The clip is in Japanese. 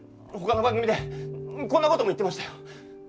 他の番組でこんな事も言ってましたよ。